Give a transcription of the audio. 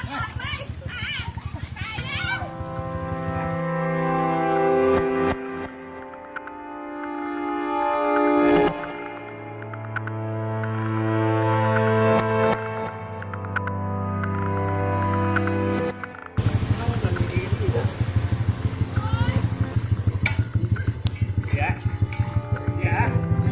ตั้งแต่เกียรติศาสตร์ของมาเลย